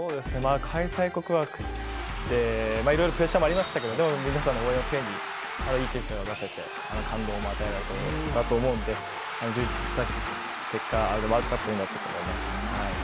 開催国枠でいろいろ悔しさもありましたけれども、皆さんの応援を背にいい結果が出せて感動も与えられたと思うので、充実した結果、ワールドカップだったと思います。